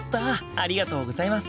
ありがとうございます。